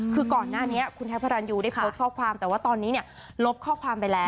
คือก่อนหน้านี้คุณแท็กพระรันยูได้โพสต์ข้อความแต่ว่าตอนนี้เนี่ยลบข้อความไปแล้ว